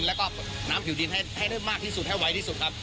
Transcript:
แล้วก็น้ำผิวดินให้ได้มากที่สุดให้ไวที่สุดครับ